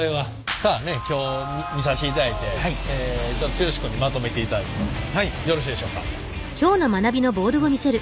さあ今日見させていただいて剛君にまとめていただいてもよろしいでしょうか？